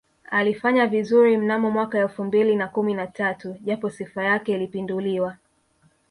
Alifanya vizuri mnamo mwaka elfu mbili na kumi na tatu japo Sifa yake ilipinduliwa